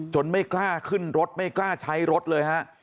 ไม่กล้าขึ้นรถไม่กล้าใช้รถเลยฮะ